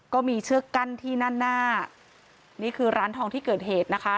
ก็มีเชือกกั้นที่ด้านหน้านี่คือร้านทองที่เกิดเหตุนะคะ